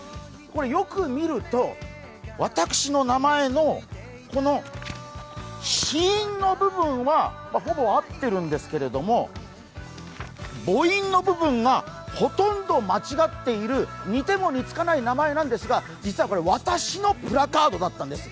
よく見ると、私の名前の子音の部分はほぼ合っているんですけれども、母音の部分がほとんど間違っている、似ても似つかない名前なんですが実は私のプラカードだったんです。